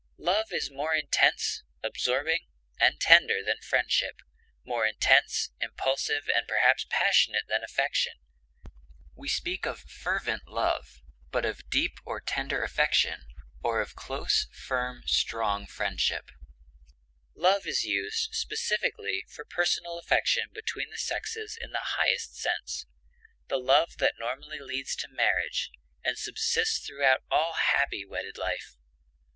Love is more intense, absorbing, and tender than friendship, more intense, impulsive, and perhaps passionate than affection; we speak of fervent love, but of deep or tender affection, or of close, firm, strong friendship. Love is used specifically for personal affection between the sexes in the highest sense, the love that normally leads to marriage, and subsists throughout all happy wedded life.